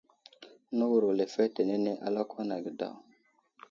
Newuro lefetenene a lakwan age daw.